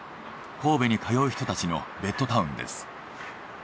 神戸に通う人たちのベッドタウンです。